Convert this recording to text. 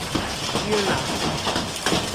— Йӱынам.